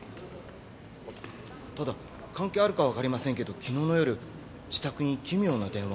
あっただ関係あるかわかりませんけど昨日の夜自宅に奇妙な電話がかかってきて。